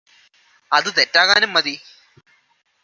അത് തെറ്റാകാനും മതി